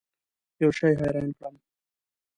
یوه شي حیران کړم.